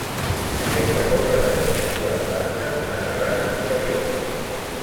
Aquesta torre tenia dues plantes i una terrassa superior.